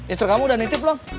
istri kamu udah nitip lah